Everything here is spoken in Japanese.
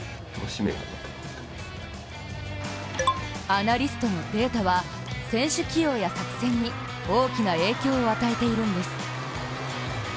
アナリストのデータは、選手起用や作戦に大きな影響を与えているんです。